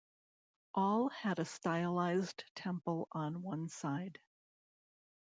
All had a stylised temple on one side.